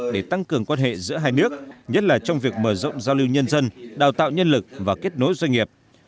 để tăng cường quan hệ giữa hai nước nhất là trong việc mở rộng giao lưu nhân dân đào tạo nhân lực và kết nối doanh nghiệp